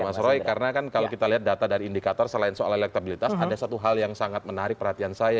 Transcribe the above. mas roy karena kan kalau kita lihat data dari indikator selain soal elektabilitas ada satu hal yang sangat menarik perhatian saya